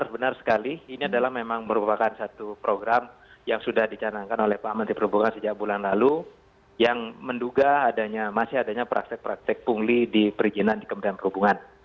benar sekali ini adalah memang merupakan satu program yang sudah dicanangkan oleh pak menteri perhubungan sejak bulan lalu yang menduga adanya masih adanya praktek praktek pungli di perizinan di kementerian perhubungan